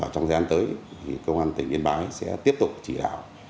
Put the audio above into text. trong giai đoạn tới công an tỉnh yên bái sẽ tiếp tục chỉ đạo